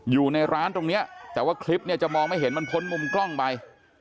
อยู่ในร้านตรงนี้แต่ว่าคลิปเนี่ยจะมองไม่เห็นมันพ้นมุมกล้องไป